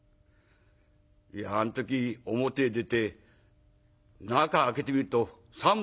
いやあん時表へ出て中開けてみると３文。